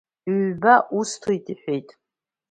Ҩба усҭоит, — иҳәеит.